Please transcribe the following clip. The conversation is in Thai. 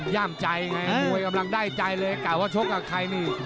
ห้ามใจไงมวยพันล้องได้ใจเลยแสนว่าชกกับใครนี่